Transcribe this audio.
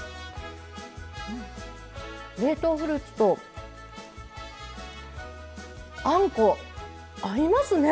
冷凍フルーツとあんこ合いますね！